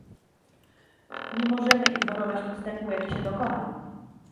Nie możemy ignorować postępu, jaki się dokonał